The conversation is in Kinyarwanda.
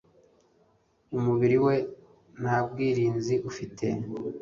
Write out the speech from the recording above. umubiri we ntabwirinzi ufite